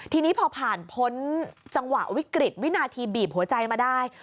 ทีนี้พอผ่านพ้นจังหวะวิกฤตวินาทีบีบหัวใจมาได้